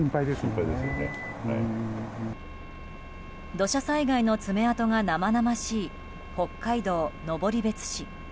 土砂災害の爪痕が生々しい北海道登別市。